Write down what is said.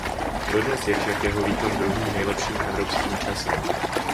Dodnes je však jeho výkon druhým nejlepším evropským časem.